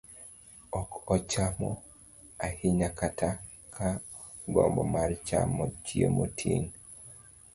ok ochamo ahinya kata ka gombo mar chamo chiemo tin.